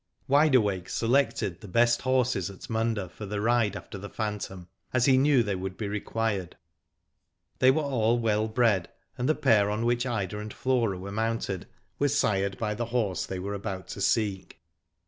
Wide Awake selected the best horses at Munda for the ride after the phantom, as he knew they would be required. They were all well bred, and the pair on which Ida and Flora were mounted, were sired by the horse they were about to seek.